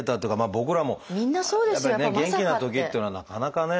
僕らもやっぱりね元気なときっていうのはなかなかね